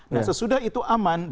nah sesudah itu aman